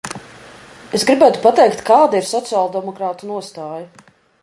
Es gribētu pateikt, kāda ir sociāldemokrātu nostāja.